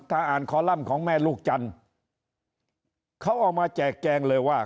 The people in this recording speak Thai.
ถ้าอ่านคอลัมป์ของแม่ลูกจันทร์เขาออกมาแจกแจงเลยว่า